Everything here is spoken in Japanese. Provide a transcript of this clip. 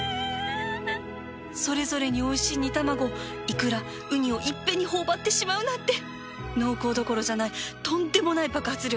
それぞれにおいしい煮卵イクラうにをいっぺんに頬張ってしまうなんて濃厚どころじゃないとんでもない爆発力